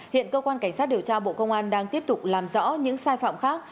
hiện cơ quan cảnh sát điều tra bộ công an đang tiếp tục làm rõ những sai phạm khác